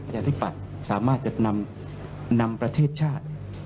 รัฐศิปัตย์สามารถจะนำนำประเทศชาติ